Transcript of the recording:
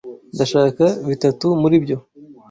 Ndashaka bitatu muri byo.